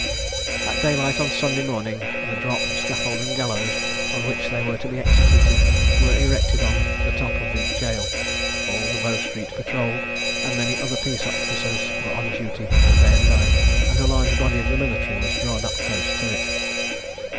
At day light on Sunday morning, the drop, scaffold, and gallows, on which they were to be executed, were erected on the top of the gaol. All the Bow street patrol, and many other peace officers, were on duty all day and night; and a large body of the military was drawn up close to it.